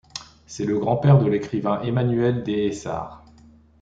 C'est le grand-père de l'écrivain Emmanuel des Essarts.